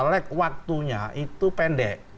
lek waktunya itu pendek